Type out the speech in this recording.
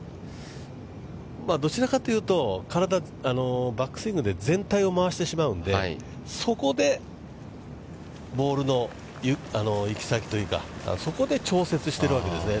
どちらかというと、体、バックスイングで全体を回してしまうんで、そこでボールの行き先というか、そこで調節しているわけですね。